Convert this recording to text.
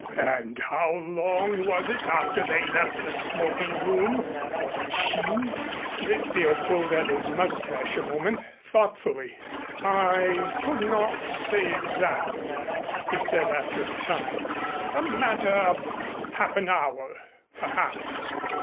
"And how long was it after they left the smoking room for the machine?" Rizzio pulled at his mustache a moment thoughtfully. "I could not say exactly," he said after a time. "A matter of half an hour perhaps."